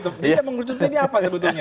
jadi yang mengerucut ini apa sebetulnya